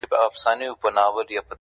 چي د شپې به مړی ښخ سو په کفن کي،